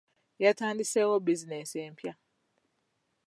Yatandisewo bizinesi empya.